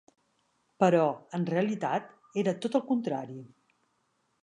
Però, en realitat, era tot el contrari.